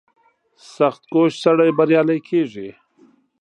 • سختکوش سړی بریالی کېږي.